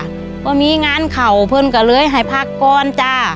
ประมาณมันก็มีงานเข่าเพื่อนกันเลยให้พักกร